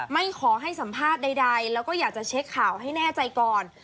ไม่ขอให้สัมภาษณ์ใดแล้วก็อยากจะเช็คข่าวให้แน่ใจก่อน